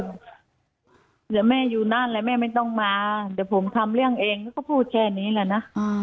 เดี๋ยวแม่อยู่นั่นแหละแม่ไม่ต้องมาเดี๋ยวผมทำเรื่องเองก็พูดแค่นี้แหละนะ